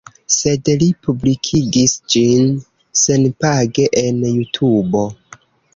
Sed li publikigis ĝin senpage en Jutubo